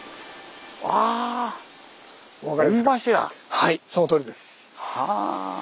はいそのとおりです。